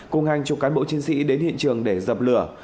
cùng hàng chục cán bộ chiến sĩ đến hiện trường để dập lửa